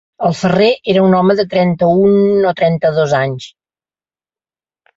El ferrer era un home de trenta-un o trenta-dos anys.